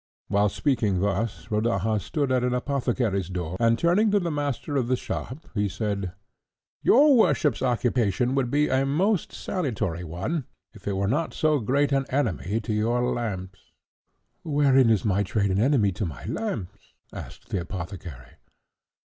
While speaking thus, Rodaja stood at an apothecary's door, and turning to the master of the shop, he said, "Your worship's occupation would be a most salutary one if it were not so great an enemy to your lamps." "Wherein is my trade an enemy to my lamps?" asked the apothecary.